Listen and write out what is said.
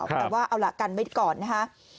แต่ว่าเอาล่ะกันไว้ก่อนนะคะ